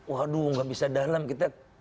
waduh gak bisa dalam kita